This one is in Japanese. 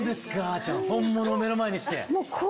あちゃん本物を目の前にして。